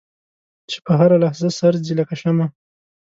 چې په هره لحظه سر ځي لکه شمع.